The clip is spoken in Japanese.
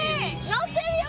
乗ってるよ